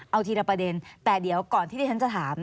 เอาทีละประเด็นแต่เดี๋ยวก่อนที่ที่ฉันจะถาม